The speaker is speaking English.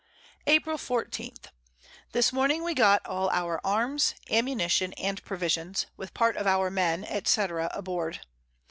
April 14. This Morning we got all our Arms, Ammunition, and Provisions, with part of our Men, &c. aboard.